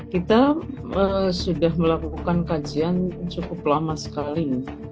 kita sudah melakukan kajian cukup lama sekali